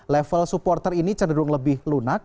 level supporter ini cenderung lebih lunak